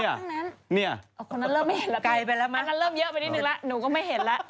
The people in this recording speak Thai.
อันนั้นเริ่มเยอะไปนิดนึงแล้ว